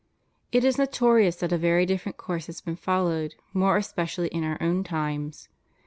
It is notorious that a very different course has been followed, more especially in our own times.